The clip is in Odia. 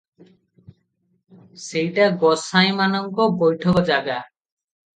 ସେଇଟା ଗୋସାଇଁ ମାନଙ୍କ ବୈଠକଜାଗା ।